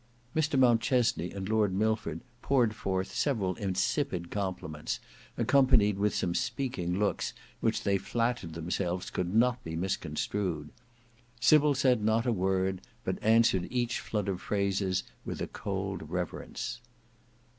Mr Mountchesney and Lord Milford poured forth several insipid compliments, accompanied with some speaking looks which they flattered themselves could not be misconstrued. Sybil said not a word, but answered each flood of phrases with a cold reverence.